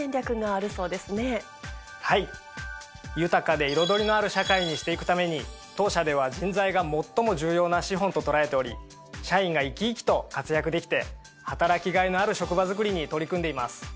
はい豊かで彩りのある社会にして行くために当社では人材が最も重要な資本と捉えており社員が生き生きと活躍できて働きがいのある職場づくりに取り組んでいます。